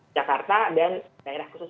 jakarta dan daerah khusus